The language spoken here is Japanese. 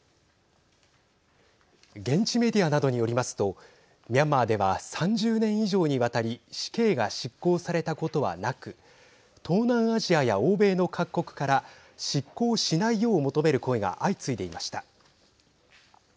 現地メディアなどによりますとミャンマーでは３０年以上にわたり死刑が執行されたことはなく東南アジアや欧米の各国から執行しないよう求める声が相次いでいました。